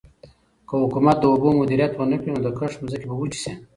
که حکومت د اوبو مدیریت ونکړي نو د کښت ځمکې به وچې شي.